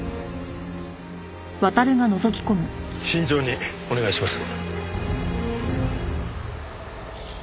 慎重にお願いします。